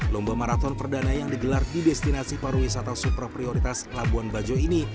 lomba marathon perdana yang digelar di destinasi paru wisata super prioritas labuan bajo ini